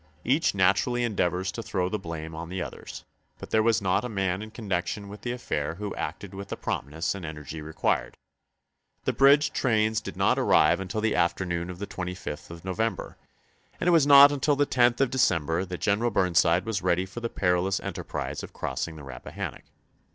Each naturally endeavors to throw the blame on the others, but there was not a man in connection with the affair who acted with the promptness and energy required. The bridge trains did not arrive until the afternoon of the 25th of November, and it was not until the 10th of December that General Burnside was ready for his perilous enterprise of crossing the Rappahannock.